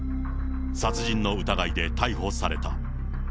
殺人の疑いで逮捕された。